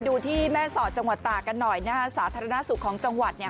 ที่แม่สอดจังหวัดตากันหน่อยนะฮะสาธารณสุขของจังหวัดเนี่ย